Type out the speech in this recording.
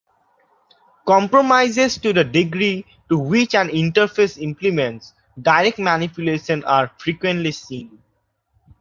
Compromises to the degree to which an interface implements direct manipulation are frequently seen.